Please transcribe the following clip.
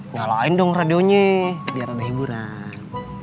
nyalain dong radionya biar ada hiburan